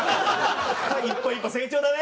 一歩一歩成長だね！